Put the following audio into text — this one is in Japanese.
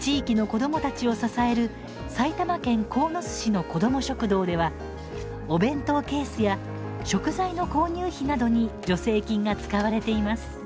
地域の子どもたちを支える埼玉県鴻巣市のこども食堂ではお弁当ケースや食材の購入費などに助成金が使われています。